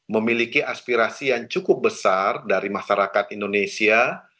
memiliki aspirasi yang cukup besar dari masyarakat indonesia